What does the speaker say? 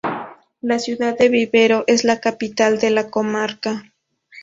La ciudad de Vivero es la capital de la comarca.